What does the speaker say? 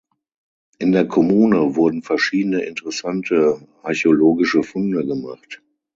In der Kommune wurden verschiedene interessante archäologische Funde gemacht.